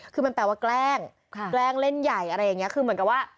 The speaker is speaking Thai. คือมันแปลว่าแกล้งแกล้งเล่นใหญ่อะไรอย่างนี้คือเหมือนกับว่า